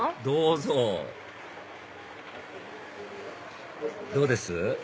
どうぞどうです？